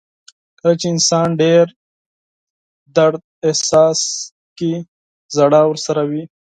• کله چې انسان ډېر درد احساس کړي، ژړا ورسره وي.